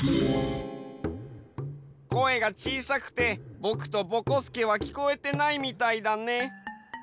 声がちいさくてぼくとぼこすけはきこえてないみたいだね。